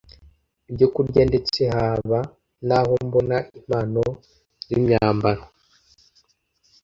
ibyo kurya ndetse haba naho mbona impano z’imyambaro”